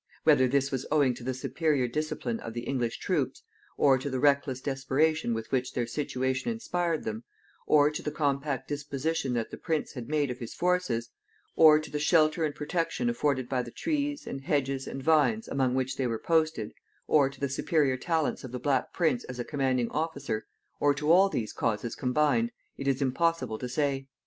Whether this was owing to the superior discipline of the English troops, or to the reckless desperation with which their situation inspired them, or to the compact disposition that the prince had made of his forces, or to the shelter and protection afforded by the trees, and hedges, and vines, among which they were posted, or to the superior talents of the Black Prince as a commanding officer, or to all these causes combined, it is impossible to say.